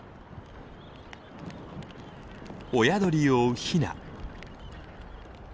親鳥を追うヒナ。